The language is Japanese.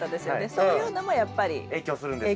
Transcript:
そういうのもやっぱり。影響するんですね。